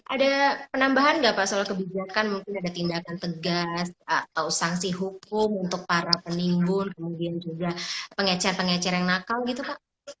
ada penambahan nggak pak soal kebijakan mungkin ada tindakan tegas atau sanksi hukum untuk para penimbun kemudian juga pengecer pengecer yang nakal gitu pak